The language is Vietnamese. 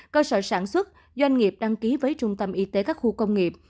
cơ sở sản xuất doanh nghiệp đăng ký với trung tâm y tế các khu công nghiệp